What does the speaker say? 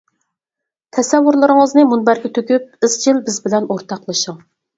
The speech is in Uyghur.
تەسەۋۋۇرلىرىڭىزنى مۇنبەرگە تۆكۈپ ئىزچىل بىز بىلەن ئورتاقلىشىڭ.